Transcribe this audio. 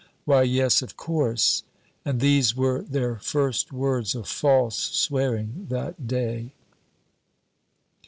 "Why, yes, of course!" And these were their first words of false swearing that day.